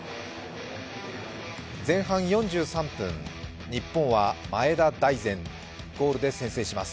前半４３分、日本は前田大然ゴールで先制します。